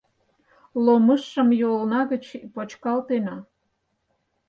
Ломыжшым йолна гыч почкалтена.